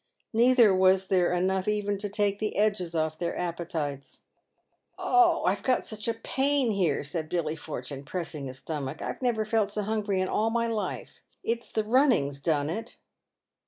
Neither was there enough even to take the " edges" off their appetites. " Oh, I've got such a pain here," said Billy Fortune, pressing his stomach ;" I never felt so hungry in all my life. It's the running's done it